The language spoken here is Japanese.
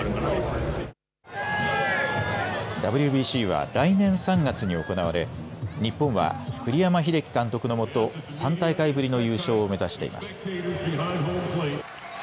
ＷＢＣは来年３月に行われ日本は栗山英樹監督のもと３大会ぶりの優勝を目指しています。